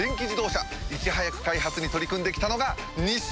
いち早く開発に取り組んで来たのが日産！